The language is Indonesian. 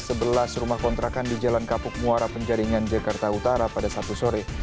sebelas rumah kontrakan di jalan kapuk muara penjaringan jakarta utara pada sabtu sore